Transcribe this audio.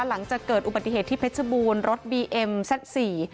หลังจากเกิดอุบัติเหตุที่เพชรบูรณ์รถบีเอ็มแซดสี่